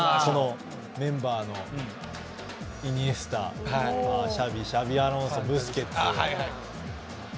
このメンバーのイニエスタシャビ、シャビ・アロンソ、ブスケツ。